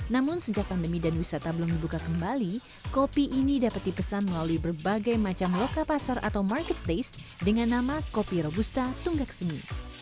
namun sejak pandemi dan wisata belum dibuka kembali kopi ini dapat dipesan melalui berbagai macam loka pasar atau marketplace dengan nama kopi robusta tunggak seni